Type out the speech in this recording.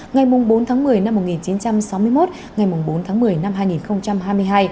ngày bốn tháng một mươi năm một nghìn chín trăm sáu mươi một ngày bốn tháng một mươi năm hai nghìn hai mươi hai